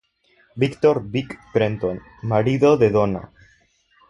Victor "Vic" Trenton: Marido de Donna.